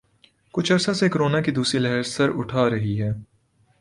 کچھ عرصہ سے کورونا کی دوسری لہر سر اٹھا رہی ہے